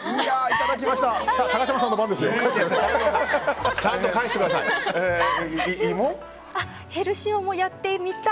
いただきました。